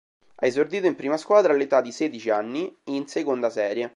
Ha esordito in prima squadra all'età di sedici anni, in seconda serie.